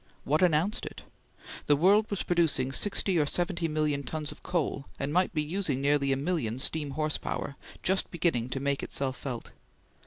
What announced it? The world was producing sixty or seventy million tons of coal, and might be using nearly a million steam horsepower, just beginning to make itself felt.